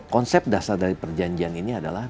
konsep dasar dari perjanjian ini adalah